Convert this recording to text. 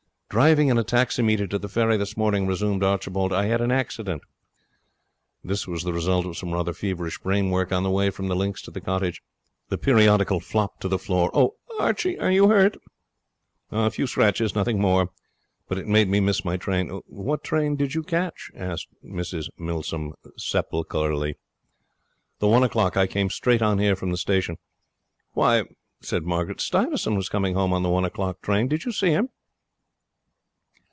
'Driving in a taximeter to the ferry this morning,' resumed Archibald, 'I had an accident.' This was the result of some rather feverish brain work on the way from the links to the cottage. The periodical flopped to the floor. 'Oh, Archie, are you hurt?' 'A few scratches, nothing more; but it made me miss my train.' 'What train did you catch?' asked Mrs Milsom sepulchrally. 'The one o'clock. I came straight on here from the station.' 'Why,' said Margaret, 'Stuyvesant was coming home on the one o'clock train. Did you see him?'